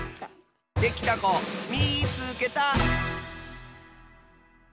できたこみいつけた！